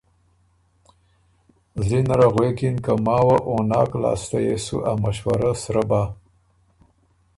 زلی نره غوېکِن که ماوه او ناک لاسته يې سُو ا مشورۀ سرۀ بَۀ۔